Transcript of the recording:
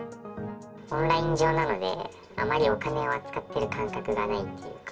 オンライン上なので、あまりお金を扱ってる感覚がないっていうか。